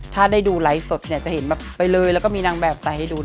ถ้าได้ดูไลฟ์สดเนี่ยจะเห็นแบบไปเลยแล้วก็มีนางแบบใส่ให้ดู